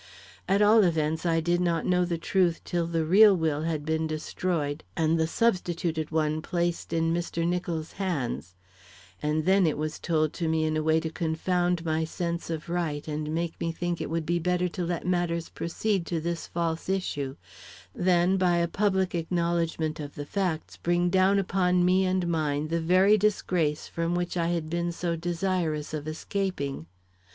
At all events, I did not know the truth till the real will had been destroyed and the substituted one placed in Mr. Nicholls' hands, and then it was told to me in a way to confound my sense of right and make me think it would be better to let matters proceed to this false issue, than by a public acknowledgment of the facts, bring down upon me and mine the very disgrace from which I had been so desirous of escaping.